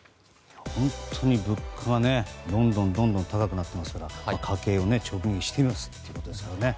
本当に物価がどんどん高くなっていますから家計を直撃していますよね。